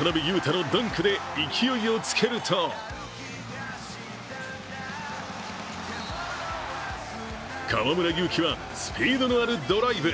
渡邊雄太のダンクで勢いをつけると河村勇輝はスピードのあるドライブ。